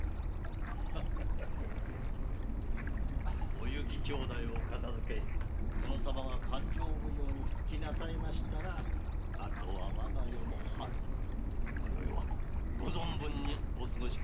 お幸姉弟を片づけ殿様が勘定奉行に復帰なさいましたら後は我が世の春今宵は存分にお過ごしくださいませ。